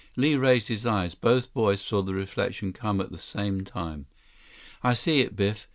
Li raised his eyes. Both boys saw the reflection come at the same time. "I see it, Biff.